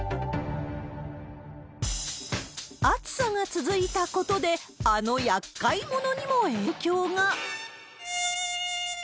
暑さが続いたことで、あのやっかい者にも影響が。